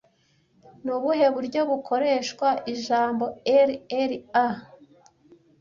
Ni ubuhe buryo bukoreshwa ijambo RRA